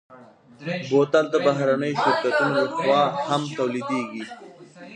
بوتل د بهرنيو شرکتونو لهخوا هم تولیدېږي.